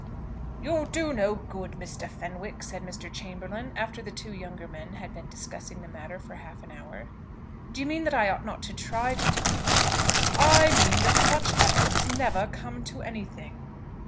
"You'll do no good, Mr. Fenwick," said Mr. Chamberlaine, after the two younger men had been discussing the matter for half an hour. "Do you mean that I ought not to try to do any good?" "I mean that such efforts never come to anything."